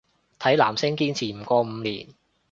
睇男星堅持唔過五年